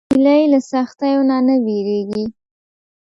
هیلۍ له سختیو نه نه وېرېږي